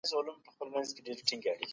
هغې خپله بیه ورکړې وه.